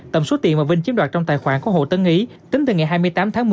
tầm số tiền mà vinh chiếm đoạt trong tài khoản của hồ tấn ý tính từ ngày hai mươi tám tháng một mươi